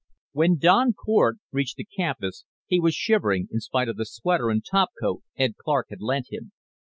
When Don Cort reached the campus he was shivering, in spite of the sweater and topcoat Ed Clark had lent him.